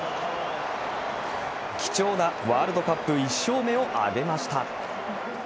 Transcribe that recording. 貴重なワールドカップ１勝目を挙げました。